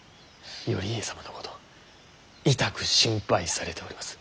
頼家様のことをいたく心配されております。